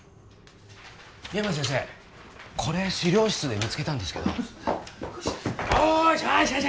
深山先生これ資料室で見つけたんですけどおしよしよし